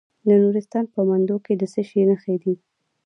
د نورستان په مندول کې د څه شي نښې دي؟